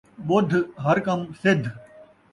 ٻُدھ، ہر کم سدھ